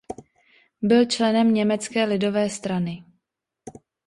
Byl členem Německé lidové strany.